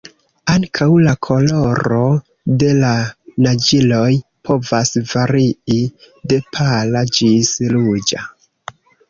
Ankaŭ la koloro de la naĝiloj povas varii, de pala ĝis ruĝa.